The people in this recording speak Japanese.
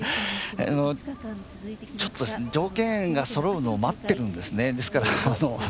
ちょっと、条件がそろうのを待ってるんですね。